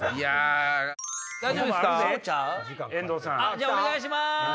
じゃあお願いします。